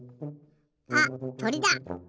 あっとりだ。